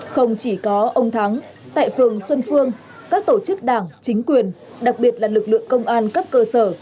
không chỉ có ông thắng tại phường xuân phương các tổ chức đảng chính quyền đặc biệt là lực lượng công an cấp cơ sở